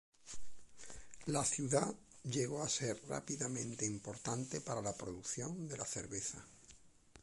La ciudad llegó a ser rápidamente importante para la producción de la cerveza.